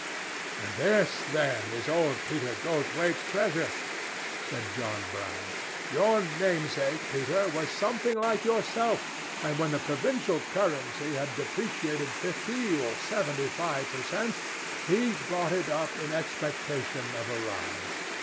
"And this, then, is old Peter Goldthwaite's treasure!" said John Brown. "Your namesake, Peter, was something like yourself; and when the provincial currency had depreciated fifty or seventy five per cent, he bought it up in expectation of a rise.